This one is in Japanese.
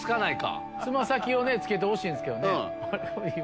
爪先をつけてほしいんですけど。